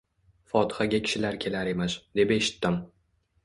Fotihaga kishilar kelar emish, deb eshitdim.